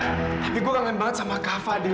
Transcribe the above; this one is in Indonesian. tapi gue kangen banget sama kafa del